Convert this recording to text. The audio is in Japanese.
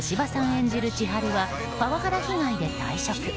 演じる千晴はパワハラ被害で退職。